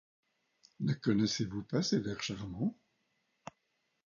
Ne connaissez-vous pas ces vers charmants ?